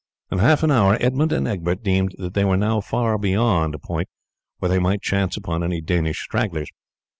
In half an hour Edmund and Egbert deemed that they were now far beyond a point where they might chance upon any Danish stragglers.